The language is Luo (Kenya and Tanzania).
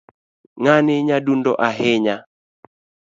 Ngani nyadundo ahinya